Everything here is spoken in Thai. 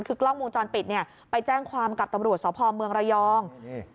คือกล้องวงจรปิดเนี่ยไปแจ้งความกับตำรวจสพเมืองระยอง